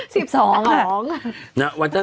สิบสองหรอฮะสิบสอง